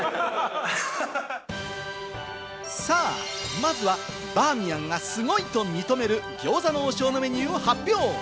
まずはバーミヤンが、すごいと認める餃子の王将のメニューを発表！